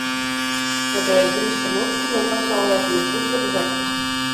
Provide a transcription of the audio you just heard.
Pēdējās ziņas par notikumiem pasaulē bija pusgadu vecas.